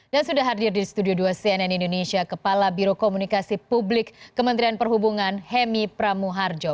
dan sudah hadir di studio dua cnn indonesia kepala biro komunikasi publik kementerian perhubungan hemi pramuharjo